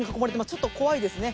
ちょっと怖いですね。